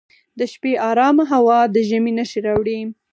د شپې ارام هوا د ژمي نښې راوړي.